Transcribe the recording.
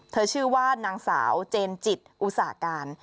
เธอชื่อว่านางสาวเจนจิตอุษาการ